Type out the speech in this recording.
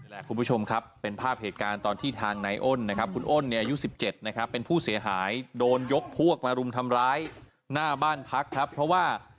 และคุณผู้ชมครับเป็นภาพเหตุการณ์ตอนที่ทางนายอ้นนะครับคุณอ้นเนี่ยอายุ๑๗นะครับเป็นผู้เสียหายโดนยกพวกมารุมทำร้ายหน้าบ้านพักครับเพราะว่า